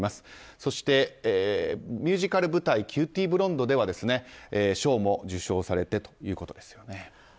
そしてミュージカル舞台「キューティ・ブロンド」では賞も受賞されてということです。